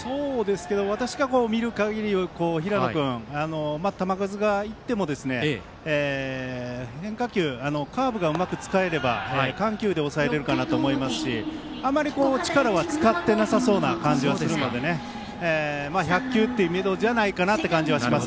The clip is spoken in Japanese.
私が見る限り平野君、球数がいっても変化球、カーブがうまく使えれば緩急で抑えられると思いますしあまり力は使ってなさそうな感じがするので１００球がめどじゃないかなという気がします。